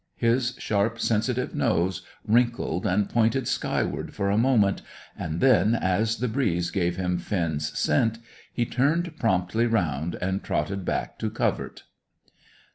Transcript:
His sharp, sensitive nose wrinkled and pointed skyward for a moment, and then, as the breeze gave him Finn's scent, he turned promptly round and trotted back to covert.